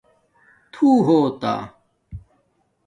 تُھو ہوتہ